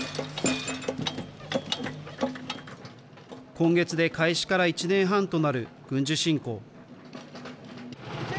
今月で開始から１年半となる軍事侵攻。